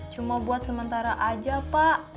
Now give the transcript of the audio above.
cuma buat sementara aja pak